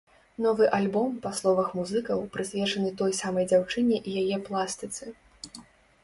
Новы альбом, па словах музыкаў, прысвечаны той самай дзяўчыне і яе пластыцы.